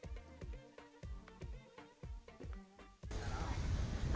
masjid ini diperkenalkan oleh masjid yang berada di luar